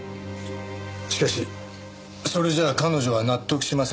しかしそれじゃあ彼女は納得しませんよね。